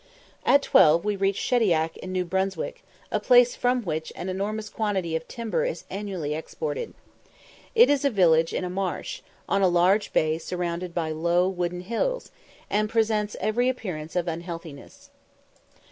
At twelve we reached Shediac in New Brunswick, a place from which an enormous quantity of timber is annually exported. It is a village in a marsh, on a large bay surrounded by low wooded hills, and presents every appearance of unhealthiness.